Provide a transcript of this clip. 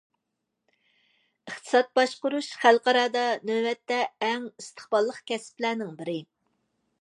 ئىقتىساد ئىقتىساد باشقۇرۇش، خەلقئارادا نۆۋەتتە ئەڭ ئىستىقباللىق كەسىپلەرنىڭ بىرى.